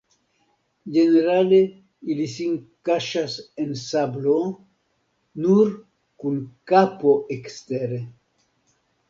Ĝenerale ili sin kaŝas en sablo, nur kun kapo ekstere.